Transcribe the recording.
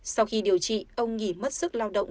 sau khi điều trị ông nghỉ mất sức lao động